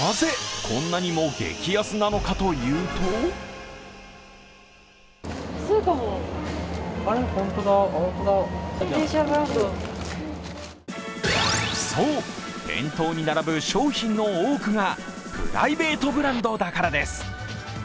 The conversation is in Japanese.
なぜ、こんなにも激安なのかというとそう、店頭に並ぶ商品の多くがプライベートブランドだからです。